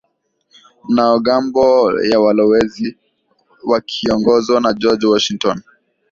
wanamgambo ya walowezi wakioongozwa na George Washington